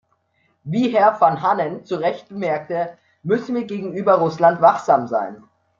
Wie Herr Vanhanen zu Recht bemerkte, müssen wir gegenüber Russland wachsam sein.